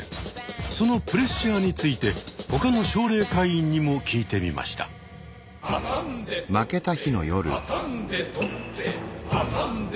そのプレッシャーについて他の奨励会員にも聞いてみました。